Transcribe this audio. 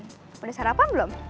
kamu udah sarapan belum